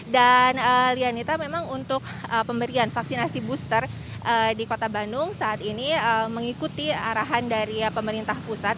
dan lianita memang untuk pemberian vaksinasi booster di kota bandung saat ini mengikuti arahan dari pemerintah pusat